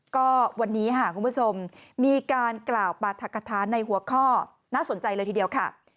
ก็วันนี้ค่ะคุณผู้ชมมีการกล่าวปราธกฐาในหัวข้อน่าสนใจเลยทีเดียวค่ะ